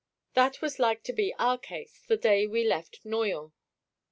That was like to be our case, the day we left Noyon.